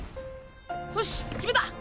よし決めた！